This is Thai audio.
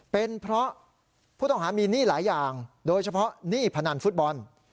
เป็นเพราะผู้ต้องหามีหนี้หลายอย่างโดยเฉพาะหนี้พนันฟุตบอล